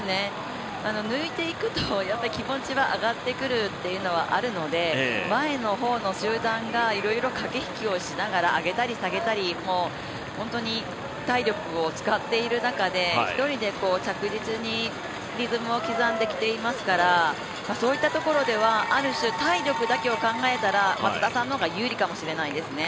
抜いていくと、気持ちは上がってくるというのはあるので、前の方の集団がいろいろ駆け引きをしながら上げたり、下げたり本当に体力を使っている中で一人で着実にリズムを刻んできていますからそういったところでは、ある種体力だけを考えたら松田さんの方が有利かもしれないですね。